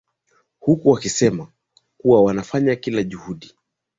huku wakisema kuwa wanafanya kila juhudi